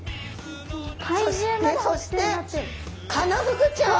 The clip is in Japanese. そしてそしてカナフグちゃん。